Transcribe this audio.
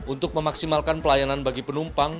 untuk memaksimalkan pelayanan bagi penumpang